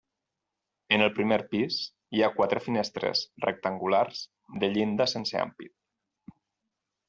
En el primer pis hi ha quatre finestres rectangulars de llinda sense ampit.